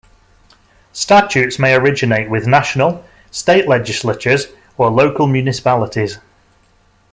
Statutes may originate with national, state legislatures or local municipalities.